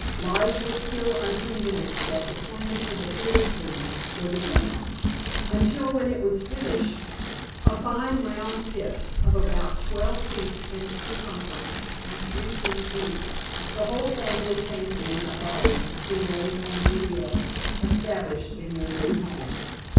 Lige was still unconvinced that the plan for the pig pen was a good one, until when it was finished, a fine round pit of about twelve feet in circumference and three feet deep, the whole family came in a body to see Romeo and Juliet established in their new home.